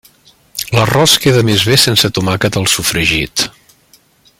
L'arròs queda més bé sense tomàquet al sofregit.